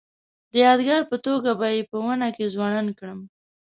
د یادګار په توګه به یې په ونه کې ځوړنده کړم.